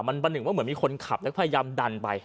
มันประหนึ่งว่าเหมือนมีคนขับแล้วพยายามดันไป